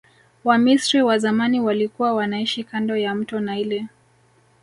wamisri wa zamani walikua wanaishi kando ya mto naili